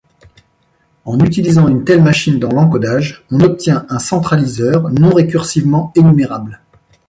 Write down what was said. En utilisant une telle machine dans l'encodage, on obtient un centraliseur non récursivement énumérable.